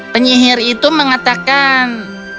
penyihir itu mengatakan